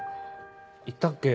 言ったっけ？